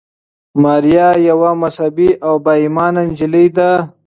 ماریا یوه مذهبي او با ایمانه نجلۍ ده.